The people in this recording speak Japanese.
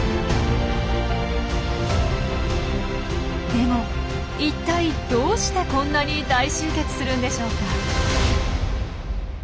でもいったいどうしてこんなに大集結するんでしょうか？